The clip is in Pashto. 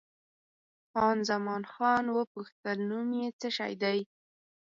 خان زمان وپوښتل، نوم یې څه شی دی؟